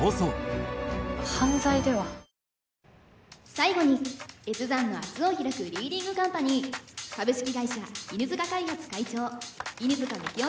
最後に越山の明日をひらくリーディングカンパニー株式会社犬塚開発・会長犬塚樹生